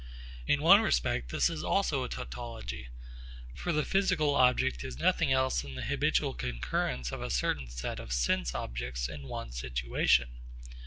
In one respect this is also a tautology. For the physical object is nothing else than the habitual concurrence of a certain set of sense objects in one situation.